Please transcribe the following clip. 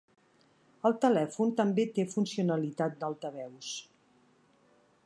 El telèfon també té funcionalitat d'altaveus.